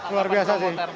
luar biasa sih